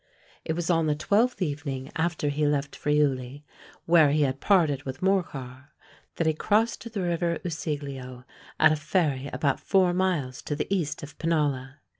It was on the twelfth evening after he left Friuli, where he had parted with Morcar, that he crossed the river Usiglio at a ferry about four miles to the east of Pinalla.